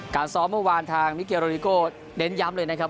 ซ้อมเมื่อวานทางมิเกโรดิโก้เน้นย้ำเลยนะครับ